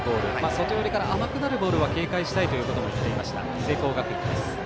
外寄りから甘くなるボールは警戒したいと言っていました聖光学院です。